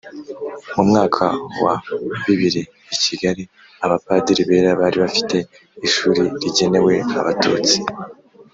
Mu mwaka wa bibiri, i Kigali, Abapadiri bera bari bafite ishuli rigenewe Abatutsi